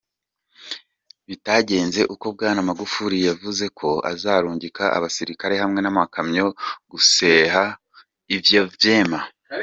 Bitagenze ukwo, Bwana Magufuli yavuze ko azorungika abasirikare hamwe n'amakamyo guseha ivyo vyema.